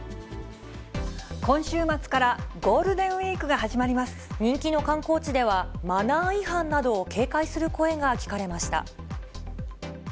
今週末からゴールデンウィー人気の観光地では、マナー違反などを警戒する声が聞かれました。